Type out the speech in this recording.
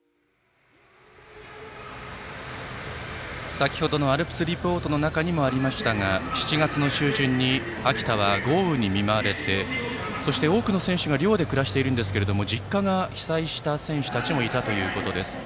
先程のアルプスリポートの中にもありましたが７月の中旬に秋田は豪雨に見舞われてそして多くの選手が寮で暮らしているんですが実家が被災した選手たちもいたということです。